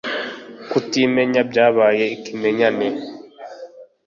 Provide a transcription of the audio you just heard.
Kutimenya byabaye ikimenyane